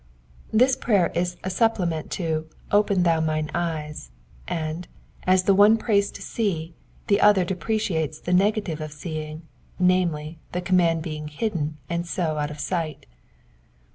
This prayer is a supplement to open thou mine eyes, and, as the one prays to see, the other deprecates the negative of seeing, namely, the com mand being hidden, and so out of sight.